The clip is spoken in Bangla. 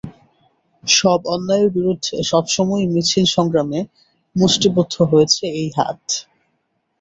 সব অন্যায়ের বিরুদ্ধে সব সময়ই মিছিল সংগ্রামে মুষ্টিবদ্ধ হয়েছে এই হাত।